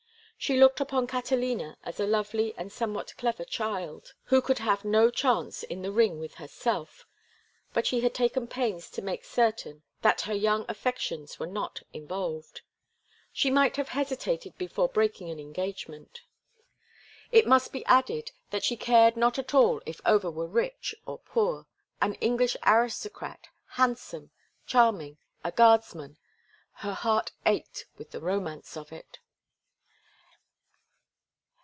She looked upon Catalina as a lovely and somewhat clever child who could have no chance in the ring with herself, but she had taken pains to make certain that her young affections were not involved. She might have hesitated before breaking an engagement. It must be added that she cared not at all if Over were rich or poor. An English aristocrat, handsome, charming, a guardsman—her heart ached with the romance of it.